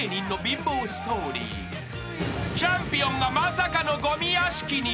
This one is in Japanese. ［チャンピオンがまさかのごみ屋敷に］